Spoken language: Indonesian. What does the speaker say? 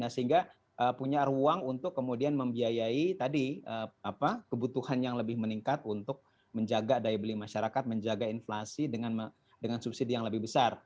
sehingga punya ruang untuk kemudian membiayai tadi kebutuhan yang lebih meningkat untuk menjaga daya beli masyarakat menjaga inflasi dengan subsidi yang lebih besar